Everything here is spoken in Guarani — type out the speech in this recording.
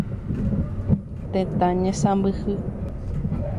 Tetã ñesãmbyhy.